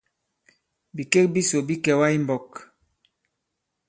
Bikek bisò bi kɛ̀wà i mbɔk.